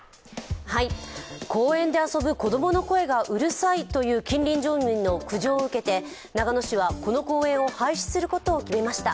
公園で遊ぶ子供の声がうるさいという近隣住民の苦情を受けて長野市は、この公園を廃止することを決めました。